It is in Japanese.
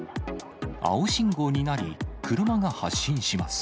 青信号になり、車が発進します。